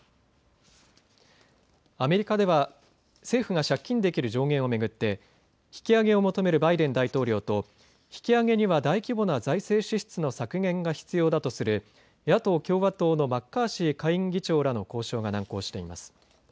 アメリカでは政府が借金できる上限を巡って引き上げを求めるバイデン大統領と引き上げには大規模な財政支出の削減が必要だとする野党・共和党のマッカーシー下院議長らの交渉が難航しています。